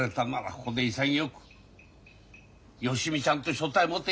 ここで潔く芳美ちゃんと所帯持て。